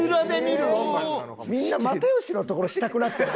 みんな又吉のところしたくなってない？